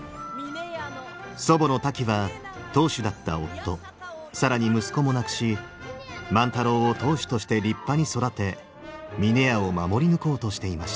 祖母のタキは当主だった夫更に息子も亡くし万太郎を当主として立派に育て峰屋を守り抜こうとしていました。